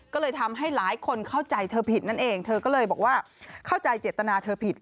ก็เลยทำให้หลายคนเข้าใจเธอผิดนั่นเองเธอก็เลยบอกว่าเข้าใจเจตนาเธอผิด